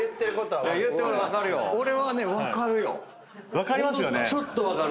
分かりますよね。